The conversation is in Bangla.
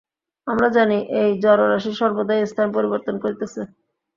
আমরা জানি, এই জড়রাশি সর্বদাই স্থান পরিবর্তন করিতেছে।